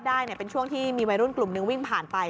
ได้เป็นช่วงที่มีวัยรุ่นกลุ่มนึงวิ่งผ่านไป